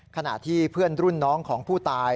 ขณะที่เพื่อนรุ่นน้องของผู้ตาย